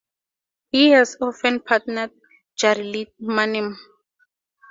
He has often partnered Jari Litmanen.